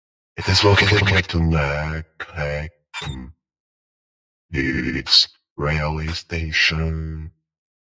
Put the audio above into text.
It is located near to Nakuru Goods railway station.